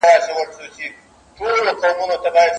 ګرفتاره په منګول د کورونا سو